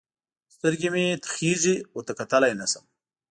سترګې مې تخېږي؛ ورته کتلای نه سم.